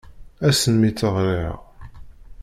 Ass-n mi tt-ɣriɣ.